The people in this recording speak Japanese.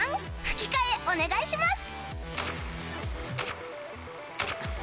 吹き替えお願いします